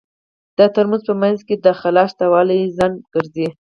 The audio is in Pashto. د ترموز په منځ کې د خلاء شتوالی خنډ ګرځي.